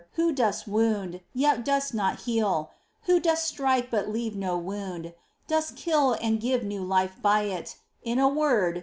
Who dost wound, yet dost not heal ; Who dost strike but leave no wound ; dost kill and give new life by it ; in a word.